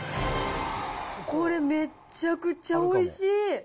これ、めっちゃくちゃおいしい。